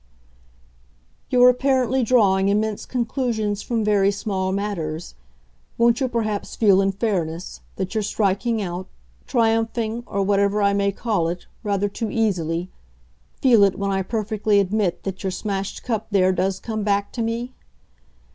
"You're apparently drawing immense conclusions from very small matters. Won't you perhaps feel, in fairness, that you're striking out, triumphing, or whatever I may call it, rather too easily feel it when I perfectly admit that your smashed cup there does come back to me?